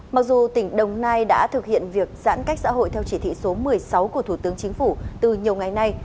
mặc dù tỉnh đồng nai đã thực hiện việc giãn cách xã hội theo chỉ thị số một mươi sáu của thủ tướng chính phủ từ nhiều ngày nay